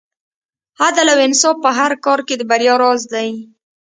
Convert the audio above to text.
عدل او انصاف په هر کار کې د بریا راز دی.